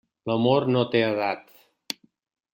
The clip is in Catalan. L'amor no té edat.